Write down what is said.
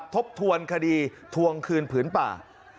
ทบทวนคดีทวงคืนผืนป่า